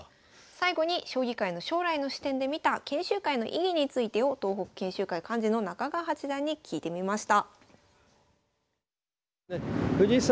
最後に将棋界の将来の視点で見た研修会の意義についてを東北研修会幹事の中川八段に聞いてみました。